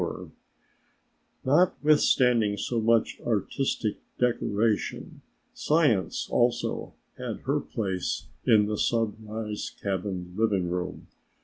Yet notwithstanding so much artistic decoration, Science also had her place in the Sunrise cabin living room.